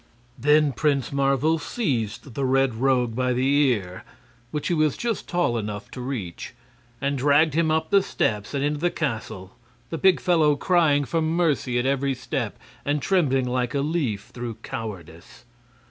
Then Prince Marvel seized the Red Rogue by the ear which he was just tall enough to reach and dragged him up the steps and into the castle, the big fellow crying for mercy at every step and trembling like a leaf through cowardice.